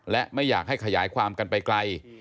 และไม่อยากให้ขยายความกันไปไกล